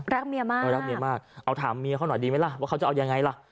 เมียมากเออรักเมียมากเอาถามเมียเขาหน่อยดีไหมล่ะว่าเขาจะเอายังไงล่ะ